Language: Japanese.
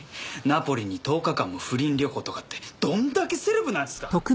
ナポリに１０日間も不倫旅行とかってどんだけセレブなんすか！？